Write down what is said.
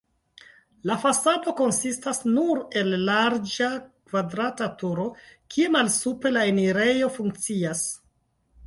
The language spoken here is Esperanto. La fasado konsistas nur el larĝa kvadrata turo, kie malsupre la enirejo funkcias.